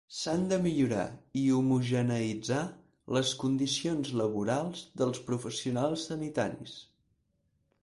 S'han de millorar i homogeneïtzar les condicions laborals dels professionals sanitaris.